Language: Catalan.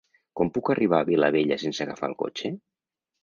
Com puc arribar a Vilabella sense agafar el cotxe?